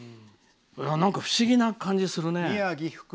不思議な感じがするね。